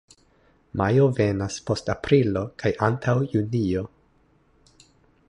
Majo venas post aprilo kaj antaŭ junio.